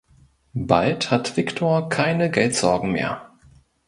Bald hat Viktor keine Geldsorgen mehr.